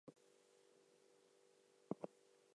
Glen remains a popular sports figure in New England.